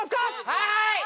はい！